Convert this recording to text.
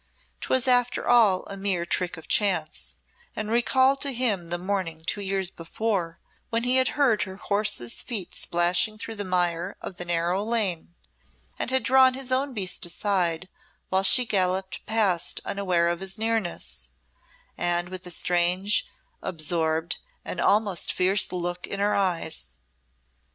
'Twas after all a mere trick of chance, and recalled to him the morning two years before, when he had heard her horse's feet splashing through the mire of the narrow lane, and had drawn his own beast aside while she galloped past unaware of his nearness, and with the strange, absorbed, and almost fierce look in her eyes.